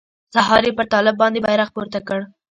سهار يې پر طالب باندې بيرغ پورته کړ.